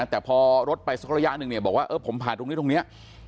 แต่พอรถไปสักระยะหนึ่งเนี่ยบอกว่าผมผ่านตรงนี้ตรงนี้